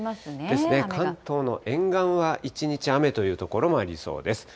ですね、関東の沿岸は一日雨という所もありそうです。